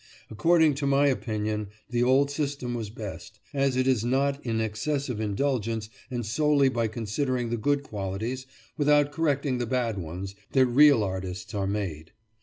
According to my opinion, the old system was best, as it is not in excessive indulgence and solely by considering the good qualities, without correcting the bad ones, that real artists are made.